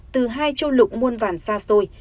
từ hai châu lục muôn vản xa xôi